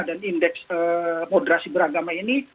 dan indeks moderasi beragama ini